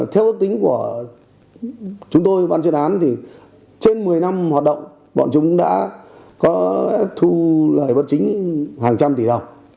theo tính của chúng tôi bản chất án thì trên một mươi năm hoạt động bọn chúng đã có thu lời bất chính hàng trăm tỷ đồng